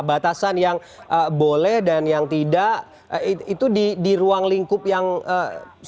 batasan yang boleh dan yang tidak itu di ruang lingkup